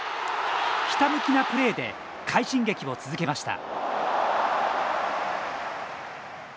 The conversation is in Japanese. ひたむきなプレーで快進撃を続けました。